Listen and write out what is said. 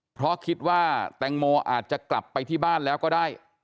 เพราะคิดว่าแตงโมอาจจะกลับไปที่บ้านแล้วก็ได้